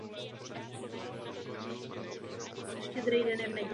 Tím prvním byl Nexus One.